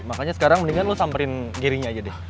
makanya sekarang mendingan lo samperin gerinya aja deh